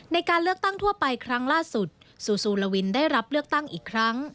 ในการเลือกตั้งทั่วไปครั้งล่าสุดซูซูลาวินได้รับเลือกตั้งอีกครั้ง